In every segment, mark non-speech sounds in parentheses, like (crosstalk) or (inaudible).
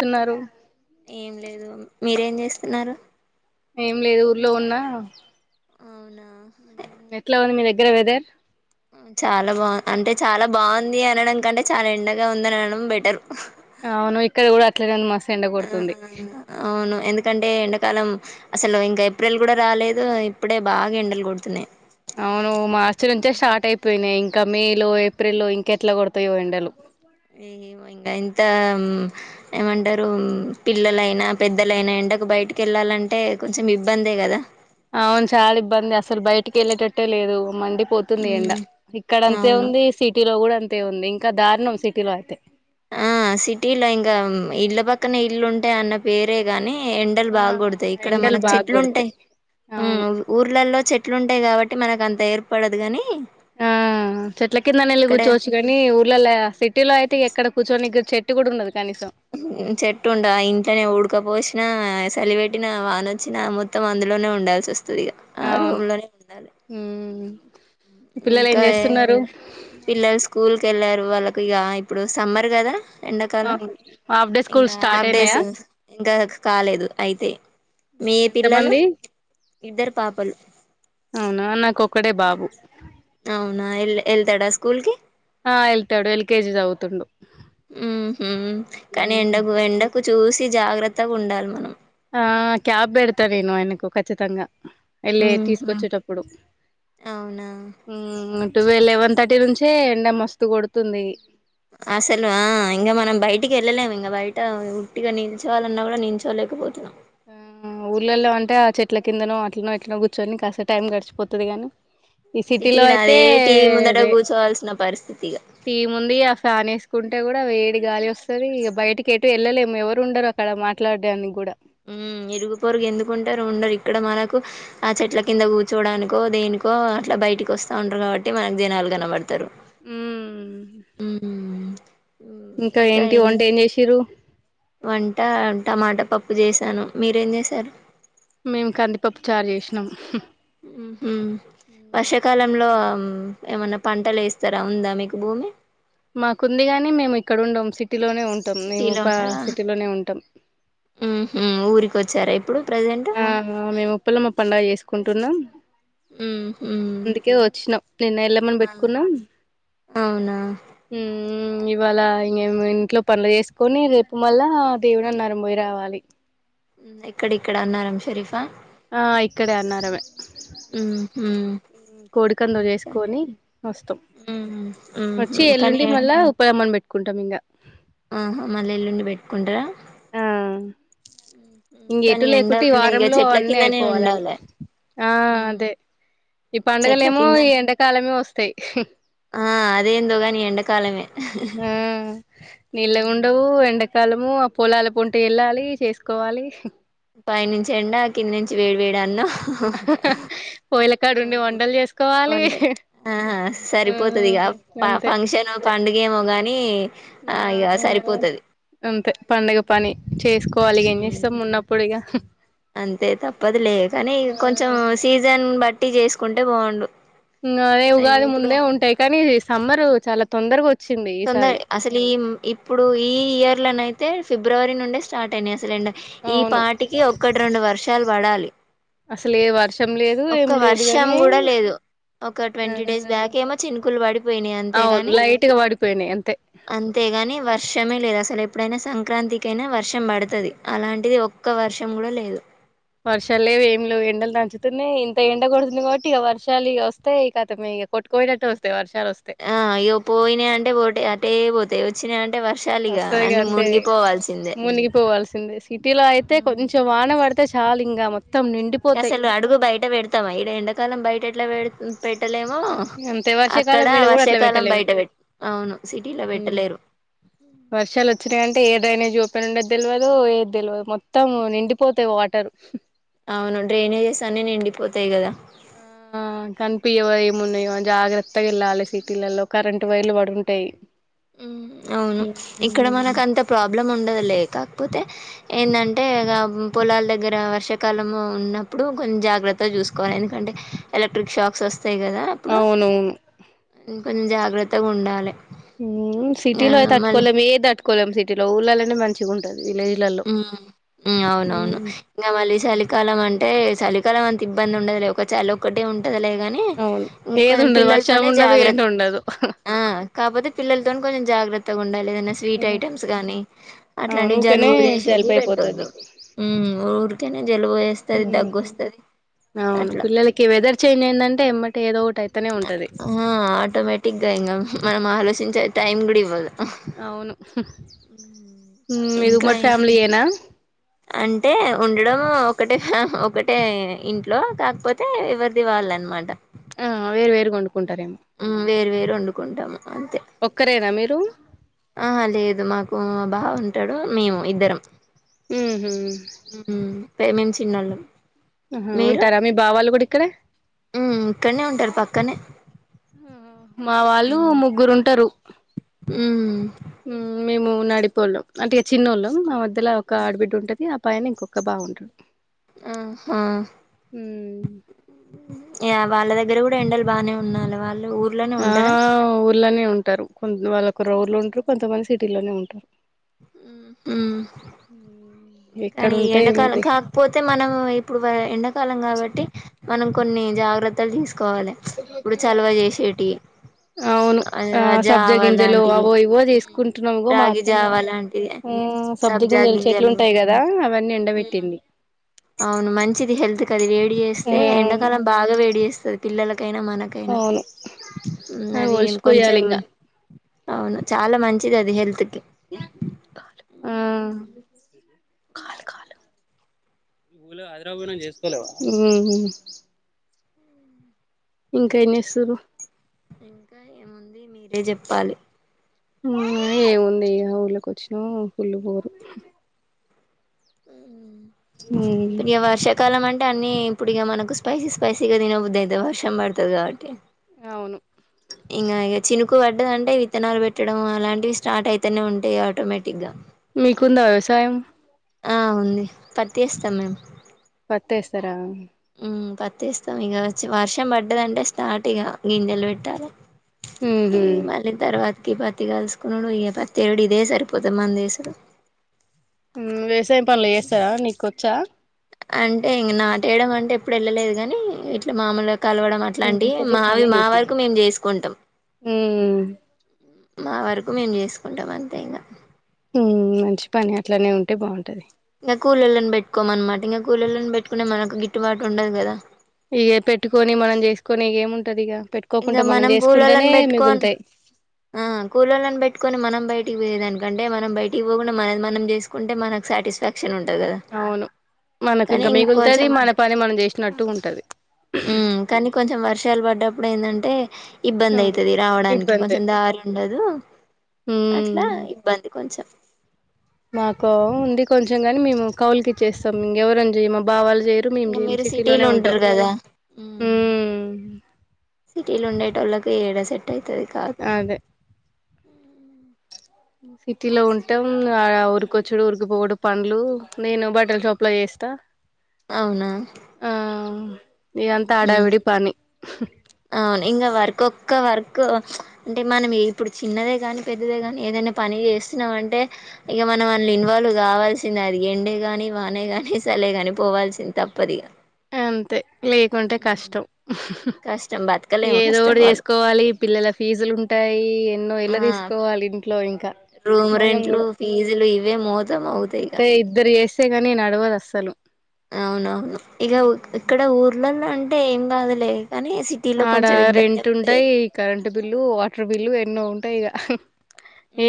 అన్నారు ఏం లేదు మీరేం జేస్తున్నారు. ఏం లేదు ఊర్లో ఉన్నా అవునా ఎట్లా ఉంది మీ దగ్గ ర వెధర్ చాలా బాగు అంటే చాలా బాగుంది అనడం కంటే, చాలా ఎండగా ఉంది అనడం బెటర్. అవును ఇక్కడ గూడా అట్లనే మస్ ఆ అవును ఎందుకంటే ఎండ కాలం అసలు ఇంకా ఏప్రిల్ గూడా రాలేదు ఇప్పుడే బాగా ఎండలు కొడుతున్నాయ్ అవును మార్చి నుంచే స్టార్ట్ అయిపోయినాయి ఇంకా మే లో ఏప్రిల్ల్లో ఇంకెట్లా కొడతాయో ఎండలు ఇగా ఏమో ఇంగ ఇంత ఏమంటారు పిల్లలైనా పెద్దలైనా ఏ ఎండకు బయటకి వెళ్ళాలంటే కొంచెం ఇబ్బందే గదా అవును చాలా ఇబ్బంది అసలు బయటికి వెళ్ళేటట్టే లేదు మండి పోతుంది ఎండ ఉమ్, ఇక్కడ అంతే అవును ఉంది. సిటీలో గూడా అంతే ఉంది. ఇంకా దారుణం సిటీలో అయితే. ఆ సిటీలో ఇంక ఇల్ల పక్కన ఇల్లు ఉంటాయి అన్న పేరే గాని ఎండలు ఆ బాగ కొడతాయి ఇక్కడ ఎండలు మనకు బాగా కొడతాయి చెట్లుంటాయ్. అవును ఉమ్ ఊర్లలో చెట్లు ఉంటాయి కాబట్టి టే మనకు అంత ఏర్పడదు గాని ఆ చెట్ల కింద నెళ్ళి ఇక్కడే కూర్చోవచ్చు కాని ఊర్లళ్ళా సిటీలో అయితే అక్కడ కూర్చొనికి చెట్టు గూడా ఉండదు కనీసం చెట్ ఉండదు ఇంట్లనే ఊడుక పోషినా సలివెట్టిన వానొచ్చిన మొత్తం అందులోనే ఉండాల్సి వస్ అవును ఉమ్ పిల్లలు ఏం ఇంకా చేస్తున్నారు. పిల్లలు స్కూల్ కి వెళ్లారు వాళ్ళకి ఇగ ఇప్పుడు సమ్మర్ గదా ఎండాకాలం హాఫ్ డే ఇంగ స్కూల్ స్టార్ట్ హాఫ్ డేస్ అయినాయా ఇంకా కాలేదు అయితయ్ మీ ఎంత పిల్లలు మంది ఇద్దరు పాపలు అవునా నాకొక్కడే బాబు అవునా ఎల్ ఎళ్తాడా స్కూల్ కి ఆ ఎల్తాడు ఎల్కెజి జదువుతుండు ఉహు కానీ ఎండకు ఎండకు జూసి జాగ్రత్తగా ఉండాలి మనం ఆ క్యాబ్ పెడతా నేను ఆయనకు ఖచ్చితంగా వెళ్ళే ఉహు తీసుకొచ్చేటప్పుడు అవునా ఉమ్ టు లెవెన్ థర్టీ నుంచే ఎండ మస్తు కొడుతుంది. అసలు ఆ ఇంగ మనం బయటికి వెళ్లేలేం ఇంగా బయట ఆ ఉట్టిగా నిల్చోవాలన్నా గూడా నిల్చోలేకపోతున్నా. ఊర్లల్లో అంటే ఆ చెట్ల కిందనో అట్లనో ఎట్నో కూర్చొని కాస్త టైం గడిచిపోతది గాని ఈ సిటీలో అయితే అదే టీవీ ముందట అదే కూర్చోవాల్సిన పరిస్థితి ఇగ టీం ఉంది ఆ ఫ్యాన్ సూకుంటే కూడా వేడి గాలి వస్తది. బయటకి ఏటు వెళ్ళలేము. ఎవరు ఉండరు అక్కడ. మాట్లాడడానికి కూడా ఉమ్ ఇరుగు పొరుగు ఎందుకుంటారు ఉండది ఇక్కడ మనకు ఆ చెట్ల కింద కూర్చోడానికో దేనికో అట్లా బయటికి వస్తా ఉంటారు కాబట్టి మనకు జనలు గనపడతరు ఉమ్ ఉమ్ ఇంకా ఏంటి ఏం వంట చేసిర్రు వంట టమాటా పప్పు చేశాను మీరేం చేశారు. మేము కందిపప్పు చార్ చేసినం ఊ వర్షాకాలం లో ఏమన్నా పంటలు వేస్తారా ఉందా మీకు భూమి మాకుంది కానీ మేము ఇక్కడ ఉండం సిటీలోనే ఉంటాం మేము పా సిటీలోనే ఉంటాం మ్ హు ఊరికోచ్చారా ఇప్పుడు ప్రజెంట్ ఆ మేము ఉప్పలమ్మ పండుగ చేసుకుంటున్నా హుహు. అందుకే వచ్చినం నిన్న ఎళ్ళామ్మను ఆ! పెట్టుకున్నాం అవునా! హుమ్ ఇవాళ ఇంగ్ ఇంట్లో పనులు చేసుకొని రేపు మళ్ళ దేవుడన్నరం పోయి రావాలి ఎక్కడ ఇక్కడ అన్నారం షరీఫా ఆ ఇక్కడే అన్నారమే హుహు. కోడికందుర్ ఇంకా చేసుకొని వస్తాం ఉహు ఉహు వచ్చి కానీ ఎల్లుండి మళ్ళా ఉప్పలమ్మను పెట్టుకుంటాం ఇంగ ఆహా మళ్ళ ఎల్లుండి పెట్టుకుంటారా ఆ ఇంగ కానీ ఎటు లేకుంటే ఈ ఎండలున్నాయి గా వారంలో చెట్ల అన్నీ కిందనే అయిపోవాలని ఉండాలే ఆ మ్ అదే ఈ చెట్ల పండుగలేమో కింద ఈ ఎండాకాలమే వస్తాయి ఆ అదెందో గని ఎండకాలమే ఆ నీల్ల గుండవు ఎండ కలము ఆ పొలలు పొంటి వెళ్ళాలి చేసుకోవాలి పైనుంచి ఎండా కింది నుంచి వేడి వేడన్నం పోయిల కాడుండి వంటల్ చేసుకోవాలి ఆహ ఆ సరిపోతది ఇగ అంతే ఫంక్షన్ పండుగ ఏమో గాని ఆ ఇక సరిపోతది అంతే పండుగ పని చేసుకోవాలి ఇగ ఎం ఉమ్ చేస్తాం ఉన్నప్పుడిగ అంతే తప్పదు లే కానీ ఆ కొంచెం సీజన్ బట్టి చేసుకుంటే బాగుండు అదే ఉగాది ఇప్పుడు ముందే ఉంటాయి కానీ సమ్మర్ చాలా తొందరగో తొందర అసలు ఈ ఇప్పుడు ఈ ఇయర్ లనైతే ఫిబ్రవరి నుండే స్టార్ట్ అయినాయి అస్ సలేండ ఈ అవును పాటికి ఒక్కటి రెండు వర్షాలు పడాలి అసలలే వర్ష్ ఒక్క వర్షం కూడా లేదు ఒక ఆ ట్వంటీ డేస్ బ్యాకేమొ చినుకులు పడిపోయినాయి అవును అంతేగాని లైట్ గా పడిపోయినాయి అంతే అంతే టేగాని వర్ష్ వర్షమే లేదు. అసలు ఎప్పుడైనా సంక్రాంతికియినా వర్షం పడుతది. అలాంటిది ఒక్క వర్షం కూడా లేదు. వర్షాల్లేవ్ ఏం లేవ్ ఎండలు దంచుతున్నాయ్ ఇంత ఎండ కొడుతుంది కాబట్టి ఇగ వర్షాలు ఇగ వస్తే ఈ కతమే కొట్టుకపోయినటే ఒస్తది ఆ ఇగ పోయినయంటే పోటే అటే పోతయ్ ఒచ్చినయం టే వర్షాలిగా వస్తాయి ఇగ అన్ని మునిగిపోవాల్సిందే సింది సిటీలో అయితే ఉమ్ కొంచెం వాన పడితే చాలా ఇంగ మొ అసలు అడుగు బయట పెడుతామా ఇడ ఎండాకాలం బయటేట్లా పెడ్ పెట్టలేమొ అంతే అక్కడ వర్షాకాలం ఈడ కూడా అట్లా వర్షాకాలం పెట్టలేము బయట పెట్ అవును సిటీల పెట్టలేరు వర్షాలోచ్చినయంటే డ్రైనేజ్ ఓపెన్ ఉండేద్ తెలువదు ఏద్ తెలువదు మొత్తం నిండిపోతాయి వాటర్ అవును డ్రైనేజెస్ అన్ని నిండిపోతాయి కదా ఆ కనిపియ్యావు ఎంమున్నయో అని జాగ్రత్తగేళ్ళాలే సిటీలళ్ళో కరెంట్ వైర్లు పడుంటాయ్ మ్ అవును ఇక్కడ మనకంత ప్రాబ్లం ఉండదు లే కాకపోతే ఏంటంటే ఇగ పొలాల దగ్గర వర్షాకాలము ఉన్నప్పుడు కొం జాగ్రత్త చూసుకోవాలి ఎందుకంటే ఎలక్ట్రిక్ షాక్స్ వస్తాయి కదా అప్పుడు అవునవును ఇంకొంచెం జాగ్రత్తగా ఉండాలే మ్ సిటీలో అయితే తట్టుకోలేము ఏది తట్టుకోలేము సిటీలో ఊళ్ళాళ్లనే మంచిగుంటది ఉమ్ ఉ అవునవును ఉమ్ ఇంగ మళ్ళీ చలికాలం అంటే చలి ఇక్కడ అంత ఇబ్బంది ఉండదులె ఒక చాల ఒకటే ఉ టదిలేగాని అవును ఇంకొె ఏది ఉండదు వర్షం పిల్లలతోనే ఉండదు జాగ్రత్ ఎండ ఉండదు ఆ కాపోతే పిల్లతో కొంచెం జాగ్రత్త మేతగుండాలి ఏదైనా స్వీట్ ఐటమ్స్ గాని అవును అట్లాంటి ఊకనే జలుబు చేతికి జలుబయిపోతది పెట్టొద్దు ఉరికెనే జలుబు చేస్తది దగ్గొస్తది అవును అట్లా పిల్లలకి వెదర్ చేంజ్ అయిందంటే ఎమ్మటే ఏదో ఒకటి అయితనే ఉంటది ఆ ఆటోమేటిక్గా ఇంకా మనం ఆలోచించే టైమ్ కూడా ఇవ్వదు అవును హ్మ్. మీది ఇంకా ఉమ్మడి ఏమి ఫ్యామిలీయనా అంటే ఉండడం ఒకటే ఫ్యా ఒకటే ఇంట్లో కాకపోతే ఎవరిది వాళ్ళ అనమాట ఆ అవే వేరు వండుకుంటారేమో ఉమ్ వేరు వేరు వండుకుంటాము అ ఒక్కరేనా మీరు ఆహా లేదు మాకు బావ ఉంటాడు మేము ఇద్దరం ఉహ్మ్ హ్మ్ ప్రేమించిన ఆలు ఆహా మీరు ఉంటారా మీ బావాళ్ళు కూడా ఇక్కడే ఇక్కడనే ఉంటారు పక్కనే మా వాళ్ళు హ్మ్. ముగ్గురు ఉంటారు హ్మ్. మేము నడిపోళ్ళం అంటే చిన్నోళ్ళం మా మధ్యలో ఒక ఆడబిడ్డ ఉంటుది ఆ పైన ఇంకొక బాగుంట్ ఆ హ హమ్ యా వాళ్ళ దగ్గర కూడా ఎండలు బానే ఉంనాల వాళ్ళు ఊర్లోనే ఆ ఉంటారా ఊర్ళనే ఉంటారు కొ వాళ్ళకర ఊర్ళ ఉంటారు కొంతమంది సిటీలోనే ఉంటారు ఉమ్ ఎక్కడ కానీ ఉంటే ఎండాకాలం ఏముంది కాకపోతే మనం ఇప్పుడు ఎండాకాలం కాబట్టి మనం కొన్ని జాగ్రత్తలు తీసుకోవాలె ఇప్పుడు చలవ చేసేటి అవును ఆ జావ సబ్జాగిింజలు లాంటివి అవో ఇవో చేసుకుంటున్నావో రాగి మాఅత్తమ్మ జావ వాళ్లు లాంటివి హ్మ్ సబ్జా గింజలు చెట్లు ఉంటాయి కదా అవన్నీ ఎండబెట్టింది అవును మంచిది హెల్త్ కది వేడి ఆ చేస్తే ఎండాకాలం బాగా వేడి చేస్తుంది పిల్లలక్ ఐన మనకైనా అవును అవి ఉన్నవి ఒలిసిపోయాలి ఇంకొంచెం ఇంకా అవును చాలా మంచిది అది హెల్త్ కి అం నువ్వు హైదరాబాద్ లో చేసుకోలేవా హ్మ్మ్ ఇంకేం చేస్తుర్రు ఇంకా ఏముంది మీరే చెప్పాలి ఏ ఉందియ ఊర్ళ కొచ్చం ఫుల్ల్ బోరు ఉమ్ పోనీ వర్షాకాలం ఆ ఇ అన్నీ ఇప్పుడు ఇక మనకు స్పైసీ స్పైసీ గా తినబద్దు అయితది వర్షం పడుతుది కాబట్టి అవును ఇగా ఇక చి ఎక్కువ పడ్డదంటే విత్తనాలు పెట్టడం అలాంటివి స్టార్ట్ అయితేనే ఉంటాయి ఆటోమేటిక్ గా మీకుందా వ్యవసాయం ఆ ఉంది పతేస్తాం మేము పత్తి ఎస్తారా మ్ పతి ఎస్తాం ఇగ వచ్ వచ్చి వర్షం పడ్డదంటే స్టార్ట్ ఇగ గింజెలు పెట్టాలే ఉహు ఈ మళ్ళ తరువాత పత్తి కలుసుకునుడు ఈగ పత్తి ఏడు ఇదే సరిపోతమ్మ దేశడు వ్యవసాయం పనులు చేస్తార నికొచ్చా అంటే ఇంకా నాటేయడం అంటే ఎప్పుడు వెళ్ళలేదు కానీ ఇట్లా మామూలు కలవడం నేను అట్లాంటివి ఇంత సేపు మావి పనే మా చేసినా వరకు మేము చేసుకుంటాం ఉమ్ మా వరకు మేము చేసుకుంటాం అంతే ఇంకా ఉమ్ మంచి పని అట్లానే ఉంటే బావుంటది కూలొల్లని పెట్టుకోమన్నమాట ఇంగ కూలొల్లిని పెట్టుకునే మనకు గిట్టుబాటు ఉండది గదా ఇగ పెట్టుకొని మనం చేసుకొని ఇగ ఏముంటది ఇగ ఇంగ పెట్టుకోకుండా మనం చేసుకుంటేనే కూలొల్లని పెట్టుకొన్ మిగులుతాయి ఆ కూలొల్లని పెట్టుకొని మనం బయట పోయే దానికంటే మనం బయటికి పోకుండా మనది మనం జేసుకుంటే మనకు సాటిస్ఫాక్షన్ ఉంటది గదా అవును మనకు కనీ ఇంకా మిగులుతది ఇంకొచెం మన పని మనం చేసినట్టు ఉంటది ఉమ్ కనీ కొంచెం వర్షం వర్షాలు పడ్డప్పుడు ఏందంటే ఇబ్బంది అవును అయితది రావడానికి ఇబ్బందే కొంచెం దారి ఉండదు ఉమ్ అట్లా ఇబ్బంది కొంచెం మాకో ఉంది కొంచెంగాని మేము కౌలుకిచ్చేస్తాం ఇంగ ఎవరం జేయం మా బావాల్ జేరు మేము ఇంగ చేయ్యం మీరు సిటీలోనే సిటీలో ఉంటరు ఉంటావ్ కదా సిటీలు ఉండేటోల్లాకి ఏడా సెట్ అయితది కాదు అదే సిటీ లో ఉంటాం ఇగా ఉరికొచ్చుడు ఉరికిపోవుడు పన్లు నేను బటల్ షాప్ లో చేస్ తా అవునా ఇగ అంతా మ్మ్ ఆడావిడి పని అవును ఇంగ వర్క్ ఒక్క వర్క్ అంటే మనం ఇప్పుడు చిన్నదే గాని పెద్దదే గాని ఏదై పని చేస్తున్నాం అంటే ఇగ మనం అన్లా ఇన్వాల్వ్ గావాల్సిందే అది ఇగ ఎండే గానీ వానే గాని సలే కాని పోవాల్సింది తప్పదిగా అంతే లేకుంటే కష్టం కష్టం బతకలేము ఏదో ఫస్ట్ ఒటి ఆఫ్ ఆల్ చేసుకోవాలి పిల్లల ఫీజులు ఉంటాయి (unintelligible) ఎన్నో ఏళ ఆ తీసుకోవాలి ఇంట్లో ఇంకా రూమ్ మనం రెంట్లు గుడా ఫీజులు ఇవే మోతం అవుతాయి ఇగ తే ఇద్దరు జేసి తేగానీ నడవదు అసలు అవునవును ఇగ ఇక్కడ ఊర్లల్లా అంటే ఏం గాదులే ఆడ రెంట్ ఉంటాయ్ కరెంట్ బిల్లు వాటర్ బిల్లు ఎన్నో ఉంటాయి ఇగ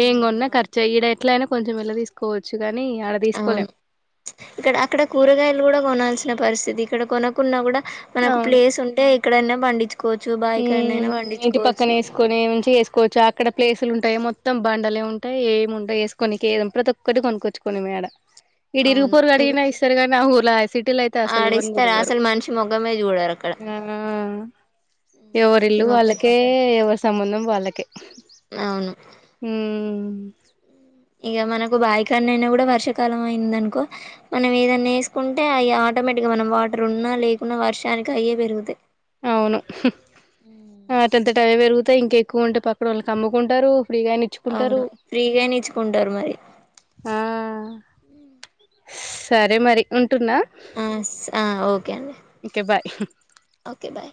ఏం కొన్నా అవును ఖర్చు ఈడ ఎట్ల అయినా కొంచెం ఎళ తీసుకోవచ్చు కాని ఆడ అవును తీసుకోలేం ప్చ్ ఇక్కడ అక్కడ కూరగాయలు గుడా గొనల్సి ఇట్లా పరిస్థితి ఇక్కడ కొనకున్నా గూడా మనకు ప్లేస్ ఉంటే ఎక్కడైనా పండించు ఉమ్ ఇంటి పక్కన వేసుకొనివినుంచి వేసుకోవచ్చు అక్కడ ప్లేసులు ఉంటాయి ఏమో మొత్తం బండలే ఉంటాయి ఏం వంట వేసుకో నికి ఏదో ప్రతి ఒక్కటి కొనుక్కొచ్చుకోని మె డ ఇడా అవును ఇరుగుపోరుగ ఇం అడిగిన ఇస్తారు గానీ ఆ ఊర్ (unintelligible) సిటీలో అయితే అసలు ఆడ ఇవ్వని గూడా ఇస్తారా ఇవ్వరు అసలు మనిషి మొఖమే చూడరు అక్కడ ఉమ్ ఉమ్, ఎవరి మనిషి ఇల్లు మొఖం వాళ్ళకే ఎవరి సంబంధం వాళ్ళకే అవును ఉమ్ ఇగా మనకు బాయి కాన్న అయినా కూడా వర్షాకాలం అయిందనుకో మనం ఏదన్నా వేసుకుంటే అయిగా ఆటోమేటిక్ గా మనం వాటర్ ఉన్నా లేకున్నా వర్షానికి అయ్యే పెరుగుతయ్ అవును ఆ టంత టవ్వే పెరుగుతయ్ ఇంకెక్కువ ఉంటే పక్కడ ఒళ్ళకి అమ్ముకుంటారు ఫ్రీగానే ఇచ్చుకుంటారు అవును ఫ్రీగా నేచుకుంటారు మరి ఆ సరే మరి ఉం టున్న ఆ స- ఆ, ఓకే అండి ఓకే బాయ్ ఓకే బాయ్